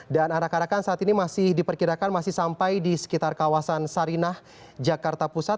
dan arah arahkan saat ini masih diperkirakan masih sampai di sekitar kawasan sarinah jakarta pusat